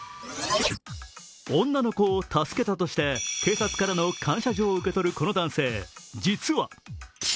女の子を助けたとして、警察からの感謝状を受け取るこの男性。